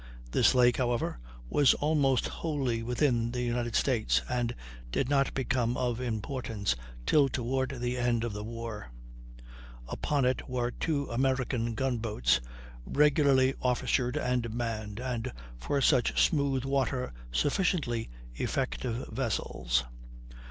This lake, however, was almost wholly within the United States, and did not become of importance till toward the end of the war. Upon it were two American gun boats, regularly officered and manned, and for such smooth water sufficiently effective vessels.